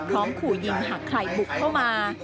พร้อมขู่ยิงอย่างใครบุกเข้ามา